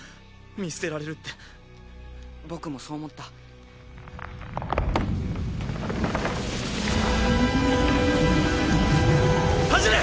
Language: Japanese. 見捨てられるって僕もそう思った走れ！